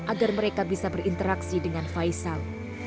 agar mereka bisa berinteraksi dengan faisal